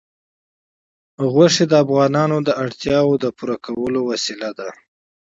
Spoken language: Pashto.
غوښې د افغانانو د اړتیاوو د پوره کولو وسیله ده.